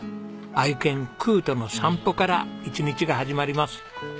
愛犬空との散歩から一日が始まります。